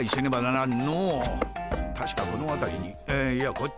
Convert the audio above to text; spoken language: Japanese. たしかこのあたりにいやこっち。